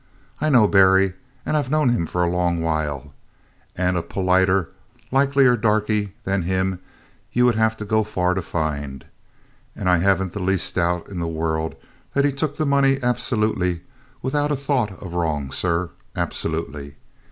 I know Berry, and I 've known him for a long while, and a politer, likelier darky than him you would have to go far to find. And I have n't the least doubt in the world that he took that money absolutely without a thought of wrong, sir, absolutely.